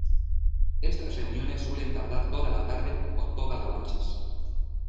Estas reuniones suelen tardar toda la tarde o toda la noches.